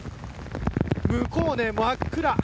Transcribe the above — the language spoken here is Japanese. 向こうは真っ暗。